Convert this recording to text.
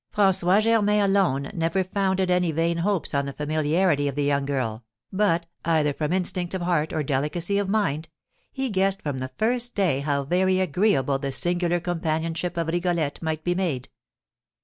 François Germain alone never founded any vain hopes on the familiarity of the young girl, but, either from instinct of heart or delicacy of mind, he guessed from the first day how very agreeable the singular companionship of Rigolette might be made.